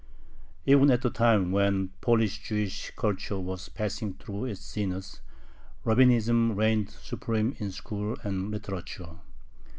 Even at the time when Polish Jewish culture was passing through its zenith, Rabbinism reigned supreme in school and literature.